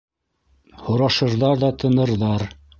Һорашырҙар ҙа тынырҙар.